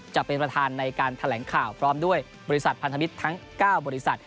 จะเป็นประธานในการแถลงข่าวพร้อมด้วยบริษัทพันธมิตรทั้ง๙บริษัท